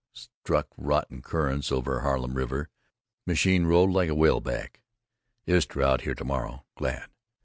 Struck rotten currents over Harlem River, machine rolled like a whale back. Istra out here to morrow. Glad.